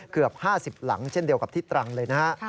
เกือบ๕๐หลังเช่นเดียวกับที่ตรังเลยนะฮะ